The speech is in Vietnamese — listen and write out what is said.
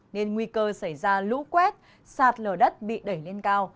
nên nguy cơ xảy ra lũ quét sạt lở đất bị đẩy lên cao